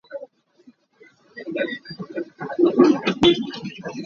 Ka puan tlang ka kawm lai.